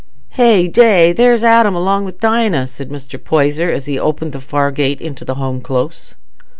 "Hey day! There's Adam along wi' Dinah," said Mr. Poyser, as he opened the far gate into the Home Close.